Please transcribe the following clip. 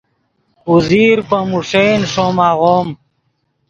اوزیر پے موݰین ݰوم آغوم